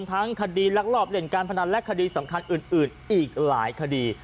ทั้งคดีลักลอบเล่นการพนันและคดีสำคัญอื่นอีกหลายคดี